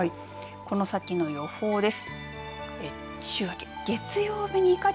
この先の予報です。